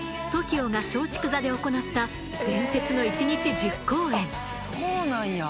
ＴＯＫＩＯが松竹座で行った伝説の１日１０公演。